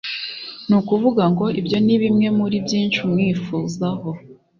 ni ukuvuga ngo ibyo nibimwe muri byinshi umwifuzaho